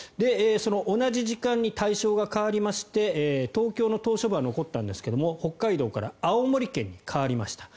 その同じ時間に対象が変わりまして東京の島しょ部は残ったんですが北海道から青森県に変わりました。